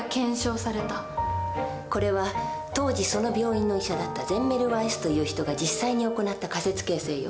これは当時その病院の医者だったゼンメルワイスという人が実際に行った仮説形成よ。